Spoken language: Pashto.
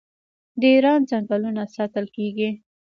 د ایران ځنګلونه ساتل کیږي.